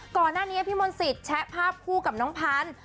ก่อนหน้านี้พี่มนศิษย์แชะภาพคู่กับน้องพาน